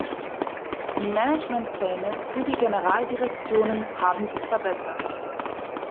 Die Management-Pläne für die Generaldirektionen haben sich verbessert.